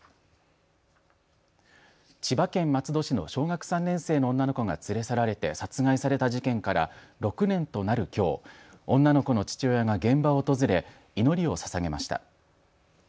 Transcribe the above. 千葉県松戸市の小学３年生の女の子が連れ去られて殺害された事件から６年となるきょう女の子の父親が現場を訪れ祈りをささげました。